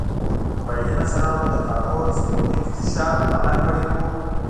قبایلي مشرانو د کانونو اکتشاف منع کړی و.